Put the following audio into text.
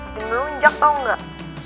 bikin melunjak tau gak